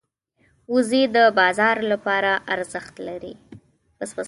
وزې د بازار لپاره ارزښت لري